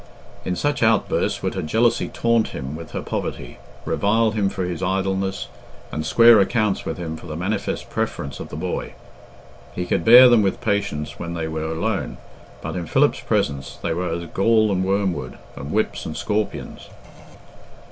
In such outbursts would her jealousy taunt him with his poverty, revile him for his idleness, and square accounts with him for the manifest preference of the boy. He could bear them with patience when they were alone, but in Philip's presence they were as gall and wormwood, and whips and scorpions.